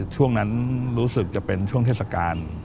ช่วงนั้นรู้สึกจะเป็นช่วงเทศกาล